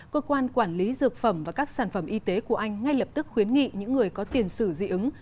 cơ quan quản lý dược phẩm và các sản phẩm y tế của anh ngay lập tức khuyến nghị những người có tiền sử dị ứng